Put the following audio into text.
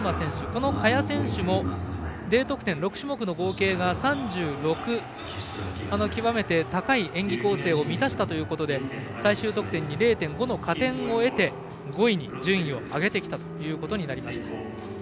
この萱選手もＤ得点、６種目の合計が３６と、極めて高い演技構成を満たしたということで最終得点に０．５の加点を得て５位に順位を上げてきました。